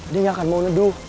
dia gak akan mau nedu